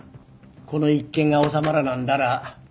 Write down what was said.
この一件が収まらなんだら